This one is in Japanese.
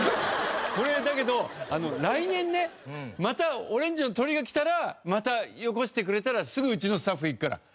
これだけど来年ねまたオレンジの鳥が来たらまたよこしてくれたらすぐうちのスタッフが行くから。